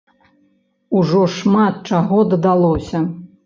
Ужо шмат чаго дадалося.